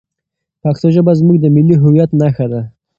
پښتو ژبه زموږ د ملي هویت نښه ده.